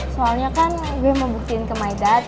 soalnya kan gue mau buktiin ke my dad